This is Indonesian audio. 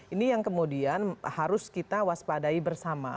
ini yang kemudian harus kita waspadai bersama